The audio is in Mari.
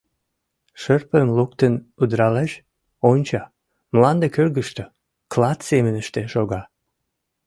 Шырпым луктын удыралеш, онча: мланде кӧргыштӧ, клат семыныште, шога.